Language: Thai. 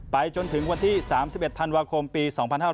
จนถึงวันที่๓๑ธันวาคมปี๒๕๕๙